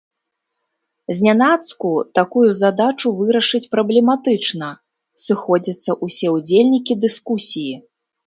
Знянацку такую задачу вырашыць праблематычна, сыходзяцца ўсе ўдзельнікі дыскусіі.